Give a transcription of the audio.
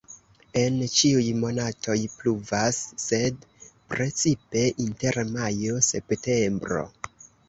En ĉiuj monatoj pluvas, sed precipe inter majo-septembro.